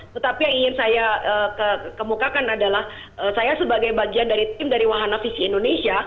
tetapi yang ingin saya kemukakan adalah saya sebagai bagian dari tim dari wahana visi indonesia